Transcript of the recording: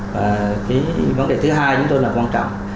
và cái vấn đề thứ hai chúng tôi là quan trọng